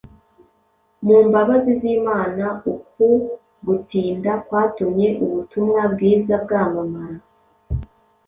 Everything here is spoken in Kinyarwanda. Mu mbabazi z’Imana, uku gutinda kwatumye ubutumwa bwiza bwamamara.